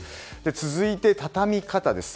続いて、畳み方です。